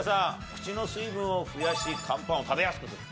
口の水分を増やしカンパンを食べやすくする。